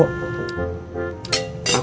aku mau masak